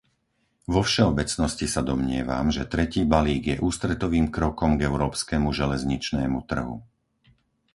Vo všeobecnosti sa domnievam, že tretí balík je ústretovým krokom k európskemu železničnému trhu.